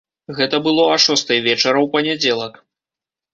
Гэта было а шостай вечара ў панядзелак.